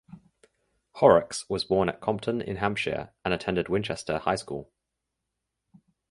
Horrocks was born at Compton in Hampshire and attended Winchester High School.